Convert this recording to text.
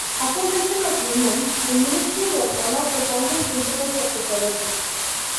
Affirmation of women in ministry was one of the founding principles of the Fellowship.